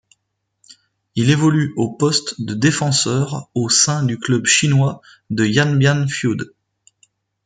Il évolue au poste de défenseur au sein du club chinois de Yanbian Fude.